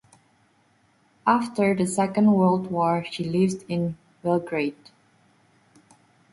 After the Second World War she lived in Belgrade.